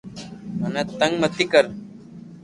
مني تنگ متي ڪر